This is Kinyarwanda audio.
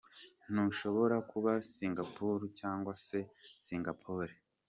Ntushobora kuba Singapore, cyangwa nka Singapore.